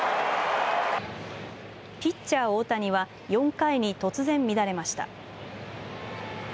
ピッチャー大谷は４回に突然乱れました。